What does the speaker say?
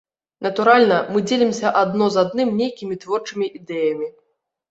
Натуральна, мы дзелімся адно з адным нейкімі творчымі ідэямі.